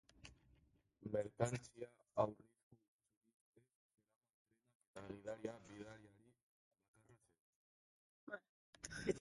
Merkantzia arriskutsurik ez zeraman trenak, eta gidaria bidaiari bakarra zen.